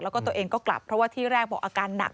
แล้วก็ตัวเองก็กลับเพราะว่าที่แรกบอกอาการหนัก